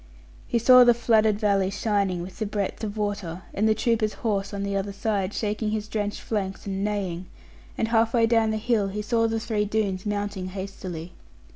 He saw the flooded valley shining with the breadth of water, and the trooper's horse on the other side, shaking his drenched flanks and neighing; and half way down the hill he saw the three Doones mounting hastily.